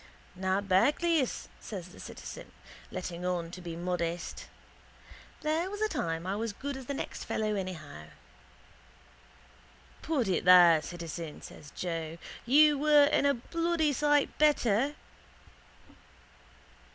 —Na bacleis, says the citizen, letting on to be modest. There was a time I was as good as the next fellow anyhow. —Put it there, citizen, says Joe. You were and a bloody sight better.